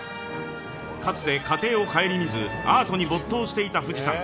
かつて家庭を省みず、アートに没頭していた藤さん。